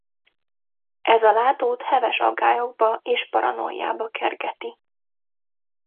Ez a látót heves aggályokba és paranoiába kergeti.